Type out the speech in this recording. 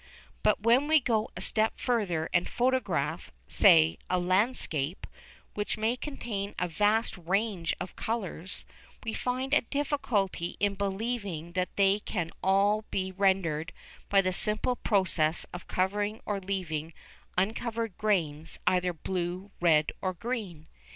But when we go a step further and photograph, say, a landscape, which may contain a vast range of colours, we find a difficulty in believing that they can all be rendered by the simple process of covering or leaving uncovered grains either blue, red or green.